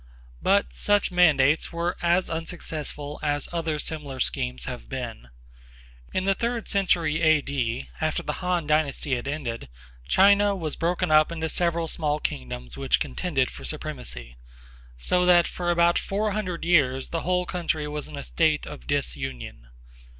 But such mandates were as unsuccessful as other similar schemes have been. In the third century A. D. after the Han dynasty had ended, China was broken up into several small kingdoms which contended for supremacy, so that for about four hundred years the whole country was in a state of disunion.